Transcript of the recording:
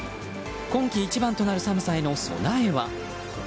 今季一番となる寒さへの備えは？